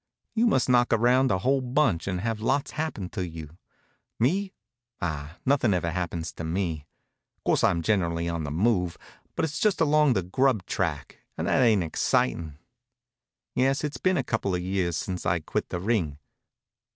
You must knock around a whole bunch, and have lots happen to you. Me? Ah, nothin' ever happens to me. Course, I'm generally on the move, but it's just along the grub track, and that ain't excitin'. Yes, it's been a couple of years since I quit the ring.